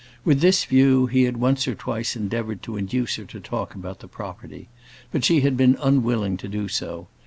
With this view, he had once or twice endeavoured to induce her to talk about the property, but she had been unwilling to do so.